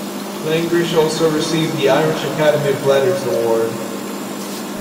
Langrishe also received the Irish Academy of Letters Award.